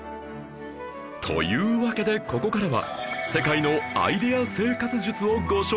というわけでここからは世界のアイデア生活術をご紹介